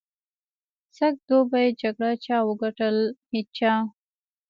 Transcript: سږ دوبي جګړه چا وګټل؟ هېچا.